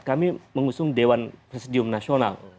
kami mengusung dewan presidium nasional